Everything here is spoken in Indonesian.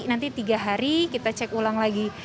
nanti tiga hari kita cek ulang lagi